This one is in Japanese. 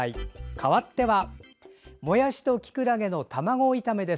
かわってはもやしときくらげの卵炒めです。